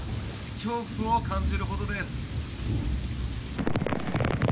恐怖を感じるほどです。